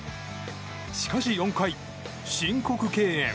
しかし４回、申告敬遠。